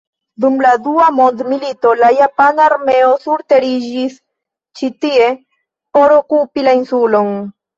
Dum la Dua Mondmilito la japana armeo surteriĝis ĉi tie por okupi la insulon.